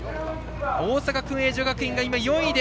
大阪薫英女学院が４位。